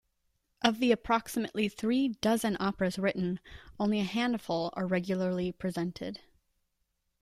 Of the approximately three dozen operas written, only a handful are regularly presented.